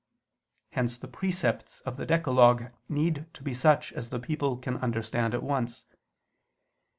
Hence the precepts of the decalogue need to be such as the people can understand at once.